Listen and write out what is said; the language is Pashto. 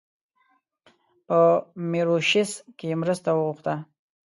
په میوریشیس کې مرسته وغوښته.